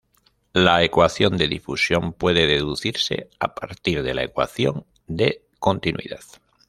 La ecuación de difusión puede deducirse a partir de la ecuación de continuidad.